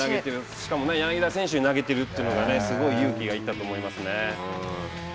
しかも柳田選手に投げているというのがすごい勇気が要ったと思いますね。